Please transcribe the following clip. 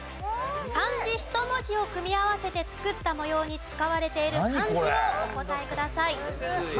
漢字１文字を組み合わせて作った模様に使われている漢字をお答えください。